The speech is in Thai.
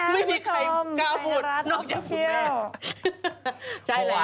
ไม่มีใครตลอดแล้วแนวชี้ชิล